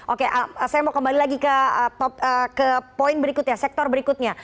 oke saya mau kembali lagi ke poin berikutnya sektor berikutnya